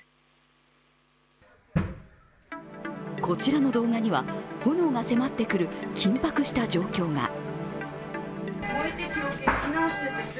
こちらの動画には、炎が迫ってくる緊迫した状況が。